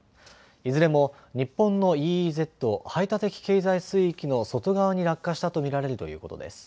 いずれも日本のＥＥＺ・排他的経済水域の外側に落下したと見られるということです。